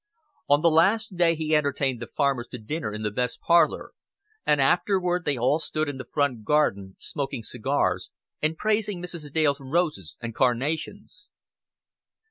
On the last day he entertained the farmers to dinner in the best parlor, and afterward they all stood in the front garden, smoking cigars and praising Mrs. Dale's roses and carnations.